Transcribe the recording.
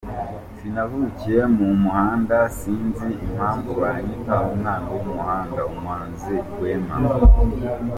Sinavukiye mu muhanda, sinzi impamvu banyita umwana w’umuhanda – Umuhanzi Rwema